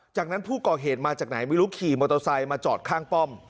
จากนั้นผู้ก่อเหตุมาจากไหนไม่รู้ขี่มอเตอร์ไซค์มาจอดข้างป้อม